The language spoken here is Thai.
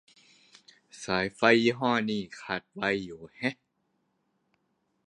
สายยี่ห้อ นี่ขาดในไวอยู่แฮะ